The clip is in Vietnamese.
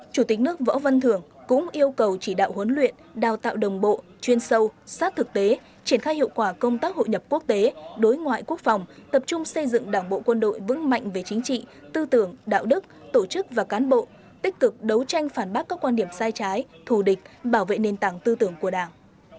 chủ tịch nước võ văn thưởng cũng yêu cầu chỉ đạo huấn luyện đào tạo đồng bộ chuyên sâu sát thực tế triển khai hiệu quả công tác hội nhập quốc tế đối ngoại quốc phòng tập trung xây dựng đảng bộ quân đội vững mạnh về chính trị tư tưởng đạo đức tổ chức và cán bộ tích cực đấu tranh phản bác các quan điểm sai trái thù địch bảo vệ nền tảng tư tưởng của đảng